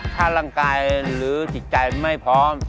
ถ้าร่างกายหรือจิตใจไม่พร้อม